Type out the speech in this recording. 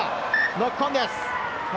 ノックオンです。